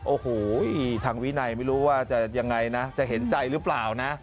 โอ้โหทางวินัยไม่รู้ว่าจะยังไงนะจะเห็นใจหรือเปล่านะ